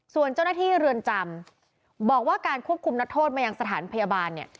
ส่วนเจ้าหน้าที่เรือนจำบอกว่าการควบคุมนักโทษมายังสถานพยาบาลเนี่ย